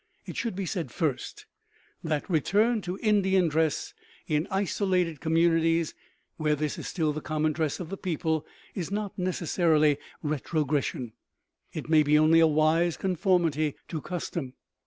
it should be said, first, that return to Indian dress in isolated communities where this is still the common dress of the people is not necessarily retrogression. It may be only a wise conformity to custom.